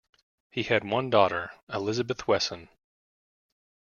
He had one daughter, Elizabeth Wesson.